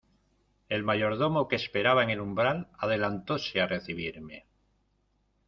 el mayordomo que esperaba en el umbral, adelantóse a recibirme